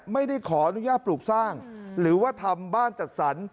ไม่ได้ขออนุญาตปลูกสร้างหรือว่าทำบ้านจัดสรร